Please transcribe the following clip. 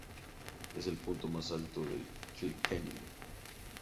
Es el punto más alto del Kilkenny.